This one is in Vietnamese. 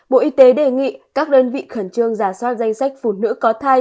bộ y tế đề nghị các đơn vị khẩn trương giả soát danh sách phụ nữ có thai